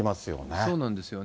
そうなんですよね。